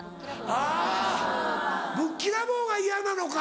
あっぶっきらぼうが嫌なのか。